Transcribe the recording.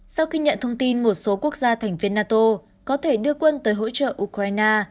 sau khi nhận thông tin một số quốc gia thành viên nato có thể đưa quân tới hỗ trợ ukraine